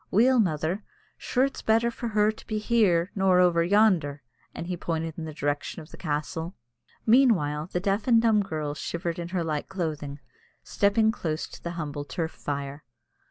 "Weel, mother, sure it's better for her to be here nor over yonder," and he pointed in the direction of the castle. Meanwhile, the deaf and dumb girl shivered in her light clothing, stepping close to the humble turf fire.